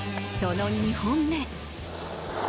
その２本目。